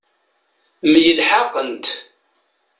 Myelḥaqent.